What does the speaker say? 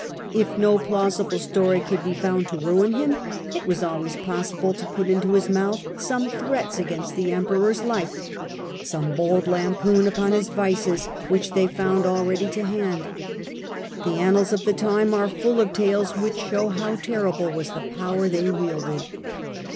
If no plausible story could be found to ruin him, it was always possible to put into his mouth some threats against the Emperor's life, some bold lampoon upon his vices, which they found all ready to their hand. The annals of the times are i,ecame full of tales which show how terrible was the objects of power they wielded.